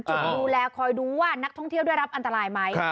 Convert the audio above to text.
ดูแลคอยดูว่านักท่องเที่ยวได้รับอันตรายไหม